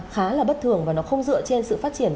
khá là bất thường và nó không dựa trên sự phát triển